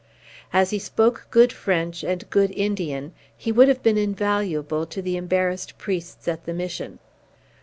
As he spoke good French and good Indian, he would have been invaluable to the embarrassed priests at the mission.